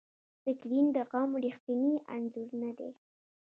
سکرین د قوم ریښتینی انځور نه دی.